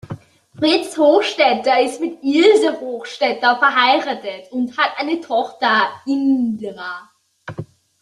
Fritz Hochstätter ist mit Ilse Hochstätter verheiratet und hat eine Tochter Indra.